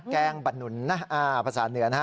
แกงบันนุนภาษาเหนือน